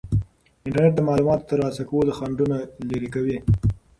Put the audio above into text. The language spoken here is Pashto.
انټرنیټ د معلوماتو د ترلاسه کولو خنډونه لرې کوي.